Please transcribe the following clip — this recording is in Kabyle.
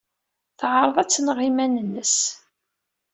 Teɛreḍ ad tenɣ iman-nnes.